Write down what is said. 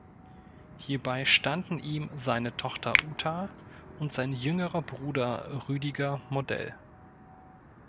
Hierbei standen ihm seine Tochter Uta und sein jüngerer Bruder Rüdiger Modell.